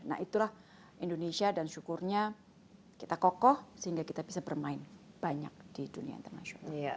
nah itulah indonesia dan syukurnya kita kokoh sehingga kita bisa bermain banyak di dunia internasional